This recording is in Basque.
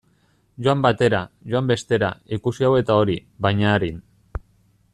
Joan batera, joan bestera, ikusi hau eta hori, baina arin.